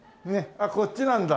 あっこっちなんだ。